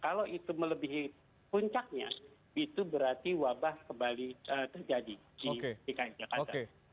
kalau itu melebihi puncaknya itu berarti wabah kembali terjadi di dki jakarta